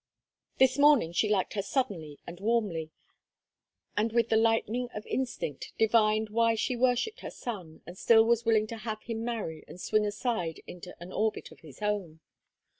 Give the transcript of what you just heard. This morning she liked her suddenly and warmly, and, with the lightning of instinct, divined why she worshipped her son and still was willing to have him marry and swing aside into an orbit of his own.